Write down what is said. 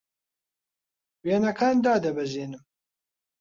وێنەکان دادەبەزێنم.